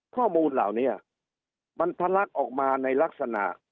ข้อมูลเหล่านี้มันทะลักออกมาในลักษณะ